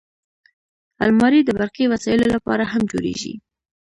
الماري د برقي وسایلو لپاره هم جوړیږي